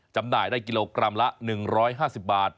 จำหน่ายได้กิโลกรัมละ๑๕๐บาท